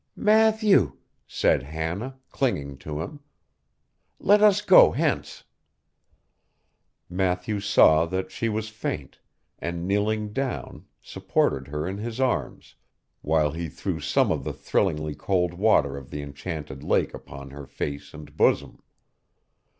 'Matthew,' said Hannah, clinging to him, 'let us go hence!' Matthew saw that she was faint, and kneeling down, supported her in his arms, while he threw some of the thrillingly cold water of the enchanted lake upon her face and bosom.